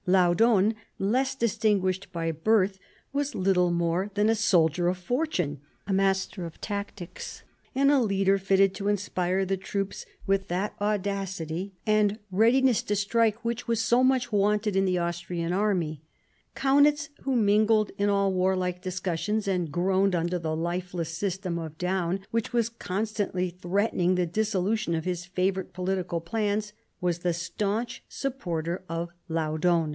Laudon, less distinguished by birth, was little more than a soldier of fortune, a master of tactics, and a leader fitted to inspire the troops with that audacity and 166 MARIA THERESA chap, viii readiness to strike which was so much wanted in the Austrian army. Kaunitz, who mingled in all warlike discussions, and groaned under the lifeless system of Daun which was constantly threatening the dissolution of his favourite political plans, was the staunch supporter of Laudon.